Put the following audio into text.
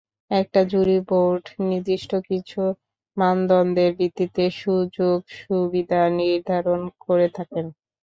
একটা jury board নির্দিষ্ট কিছু মানদণ্ডের ভিত্তিতে সুযোগ-সুবিধা নির্ধারণ করে থাকেন।